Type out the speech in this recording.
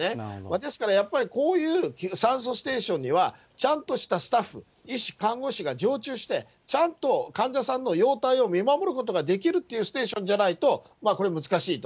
ですからやっぱり、こういう酸素ステーションにはちゃんとしたスタッフ、医師、看護師が常駐して、ちゃんと患者さんの容体を見守ることができるっていうステーションじゃないと、これ、難しいと。